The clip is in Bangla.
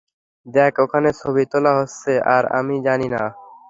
দেখ, এখানে ছবি তোলা হচ্ছে, আর আমি জানি না।